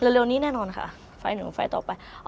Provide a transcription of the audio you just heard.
เร็วนี้แน่นอนค่ะไฟล์หนึ่งไฟล์ต่อไป